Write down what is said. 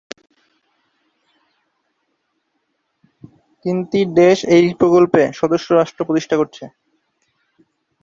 তিনটি দেশ এই প্রকল্পে সদস্য রাষ্ট্র প্রতিষ্ঠা করছে।